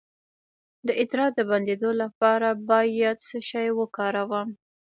د ادرار د بندیدو لپاره باید څه شی وکاروم؟